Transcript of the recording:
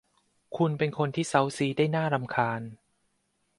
คุณเป็นคนที่เซ้าซี้ได้น่ารำคาญ